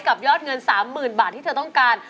ยอดเงิน๓๐๐๐บาทที่เธอต้องการ